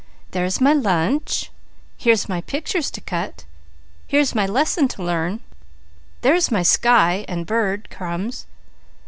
"There's my lunch. Here's my pictures to cut. Here's my lesson to learn. There's my sky and bird crumbs.